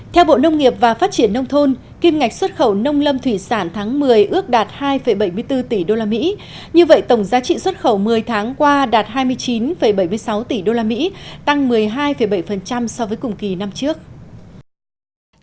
theo bộ nông nghiệp và phát triển nông thôn kim ngạch xuất khẩu nông lâm thủy sản tháng một mươi ước đạt hai bảy mươi bốn tỷ usd như vậy tổng giá trị xuất khẩu một mươi tháng qua đạt hai mươi chín bảy mươi sáu tỷ usd tăng một mươi hai bảy so với cùng kỳ năm trước